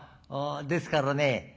ですからね